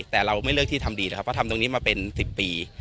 แต่เราไม่เลือกที่ทำดีนะครับเพราะทำตรงนี้มาเป็น๑๐ปี